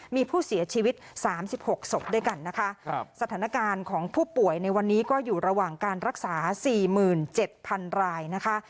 มีผู้เสียชีวิต๓๖ศพด้วยกันนะคะสถานการณ์ของผู้ป่วยในวันนี้ก็อยู่ระหว่างการรักษา๔๗๐๐รายนะคะ